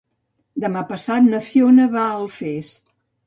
Demà passat na Fiona va a Alfés.